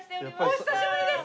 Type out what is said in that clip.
お久しぶりです！